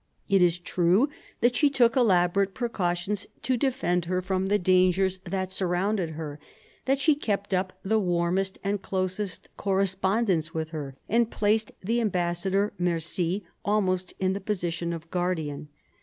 It is true that she took elaborate precautions to defend her from the dangers that surrounded her ; that she kept up the warmest and closest correspondence with her, and placed the am bassador Mercy almost in the position of guardian.